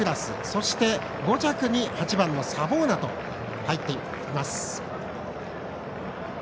そして５着に８番のサヴォーナと入っています。